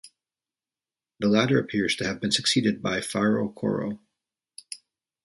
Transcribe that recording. The latter appears to have been succeeded by Fara Coro.